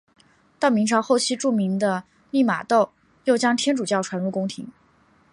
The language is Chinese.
到明朝后期著名的利玛窦又将天主教传入宫廷。